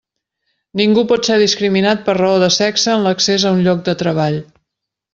Ningú pot ser discriminat per raó de sexe en l'accés a un lloc de treball.